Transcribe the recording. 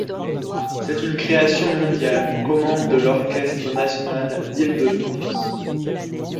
C'est une création mondiale, commande de l’Orchestre national d'Île-de-France.